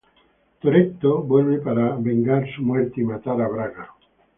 Toretto vuelve para vengar su muerte y matar a Braga.